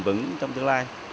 mình vẫn trong tương lai